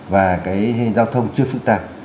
và cái giao thông chưa phức tạp